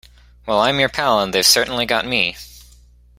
Well, I'm your pal and they've certainly got me.